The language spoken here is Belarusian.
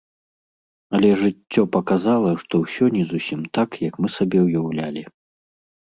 Але жыццё паказала, што ўсё не зусім так, як мы сабе ўяўлялі.